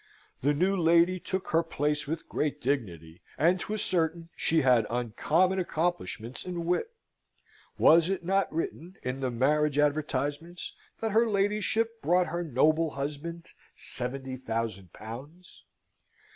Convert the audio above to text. The new lady took her place with great dignity, and 'twas certain she had uncommon accomplishments and wit. Was it not written, in the marriage advertisements, that her ladyship brought her noble husband seventy thousand pounds?